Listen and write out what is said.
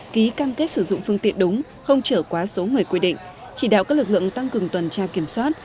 ký cam kết sử dụng phương tiện đúng không trở quá số người quy định chỉ đạo các lực lượng tăng cường tuần tra kiểm soát